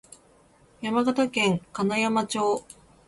山形県金山町